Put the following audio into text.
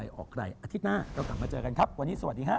โปรดติดตามตอนต่อไป